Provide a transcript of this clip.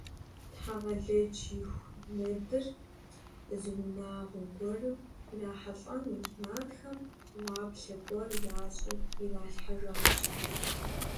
Тхьэгъэлэдж и ху нэдыр зы унагъуэ гуэрым ирахьэлӀэну, нартхэм гъуаплъэ гуэн ящӀри иралъхьэжащ.